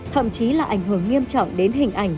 thậm chí là ảnh hưởng nghiêm trọng đến hình ảnh